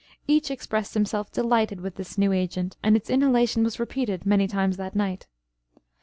Each expressed himself delighted with this new agent, and its inhalation was repeated many times that night.